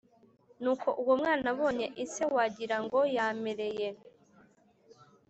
nuko uwo mwana abonye ise wagira ngo yamereye